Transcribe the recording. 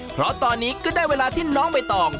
เพราะตอนนี้ก็ได้เวลาที่น้องใบตอง